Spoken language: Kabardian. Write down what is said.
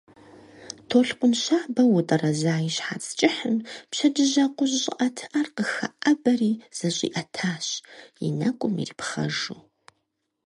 Толъкъун щабэу утӀэрэза и щхьэц кӀыхьым пщэдджыжь акъужь щӀыӀэтыӀэр къыхэӀэбэри зэщӀиӀэтащ, и нэкӀум ирипхъэжу.